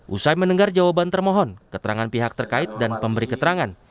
usai mendengar jawaban termohon keterangan pihak terkait dan pemberi keterangan